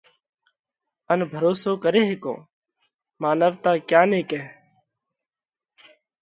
ان ڀروسو ڪري هيڪونه؟ مانَوَتا ڪيا نئہ ڪئه؟